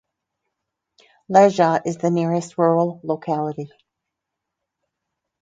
Lezha is the nearest rural locality.